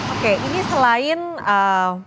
oke ini selain ee